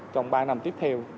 trong ba năm tiếp theo